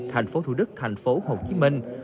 thành phố thủ đức thành phố hồ chí minh